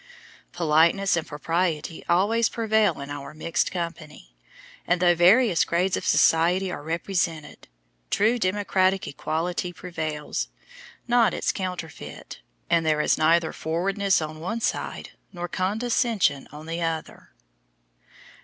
Politeness and propriety always prevail in our mixed company, and though various grades of society are represented, true democratic equality prevails, not its counterfeit, and there is neither forwardness on one side nor condescension on the other.